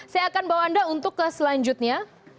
saya akan bawa anda untuk ke selanjutnya